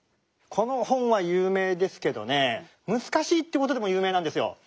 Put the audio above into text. この本は有名ですけどね難しいという事でも有名なんですよ。